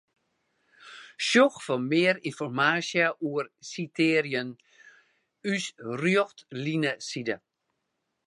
Sjoch foar mear ynformaasje oer sitearjen ús Rjochtlineside.